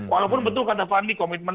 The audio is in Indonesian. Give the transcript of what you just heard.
walaupun betul kata fandi komitmen